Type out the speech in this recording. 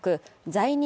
在日